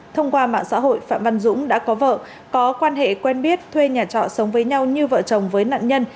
thông qua mạng xã hội phạm văn dũng đã có vợ có quan hệ quen biết thuê nhà trọ sống với nhau như vợ chồng với nạn nhân